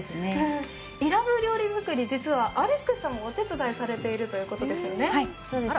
イラブー料理作り、アレックスさんもお手伝いをされているということですね。